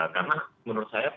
karena menurut saya